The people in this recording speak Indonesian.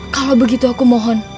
kalau begitu aku mohon